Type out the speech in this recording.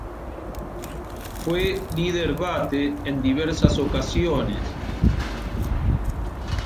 Fue líder bate en diversas ocasiones.